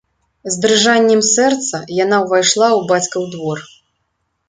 З дрыжаннем сэрца яна ўвайшла ў бацькаў двор.